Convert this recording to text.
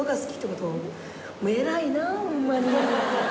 偉いなホンマに。